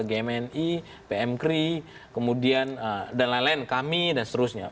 gmni pmkri kemudian dan lain lain kami dan seterusnya